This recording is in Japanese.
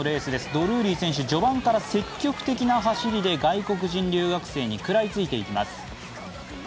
ドルーリー選手序盤から積極的な走りで外国人留学生に食らいついていきます。